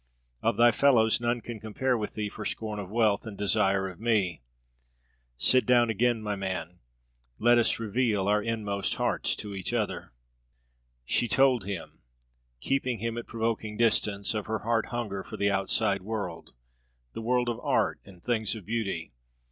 Of thy fellows none can compare with thee for scorn of wealth and desire of me. Sit down again, my man; let us reveal our inmost hearts to each other." She told him, keeping him at provoking distance, of her heart hunger for the outside world, the world of art and things of beauty.